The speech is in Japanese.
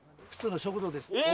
普通の食堂です。